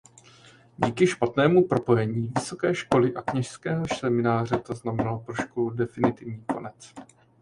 Díky špatnému propojení vysoké školy a kněžského semináře to znamenalo pro školu definitivní konec.